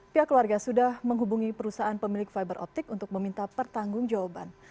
pihak keluarga sudah menghubungi perusahaan pemilik fiberoptik untuk meminta pertanggung jawaban